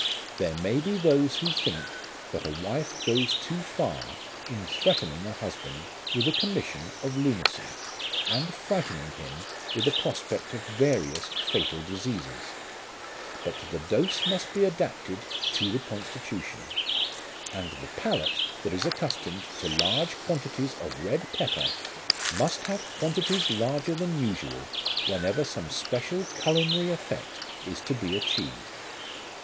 There may be those who think that a wife goes too far in threatening a husband with a commission of lunacy, and frightening him with a prospect of various fatal diseases; but the dose must be adapted to the constitution, and the palate that is accustomed to large quantities of red pepper must have quantities larger than usual whenever some special culinary effect is to be achieved.